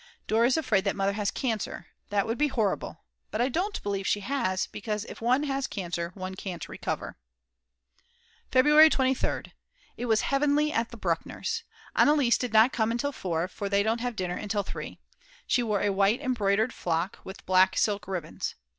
Dora is afraid that Mother has cancer, that would be horrible; but I don't believe she has, because if one has cancer one can't recover. February 23rd. It was heavenly at the Bruckners! Anneliese did not come until 4, for they don't have dinner until 3. She wore a white embroidered frock with black silk ribbons.